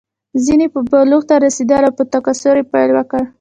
ځینې به بلوغ ته رسېدل او په تکثر یې پیل وکړ.